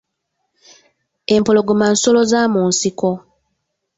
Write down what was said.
Empologoma nsolo za mu nsiko.